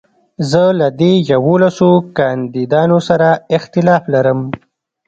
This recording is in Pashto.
زه له دې يوولسو کانديدانو سره اختلاف لرم.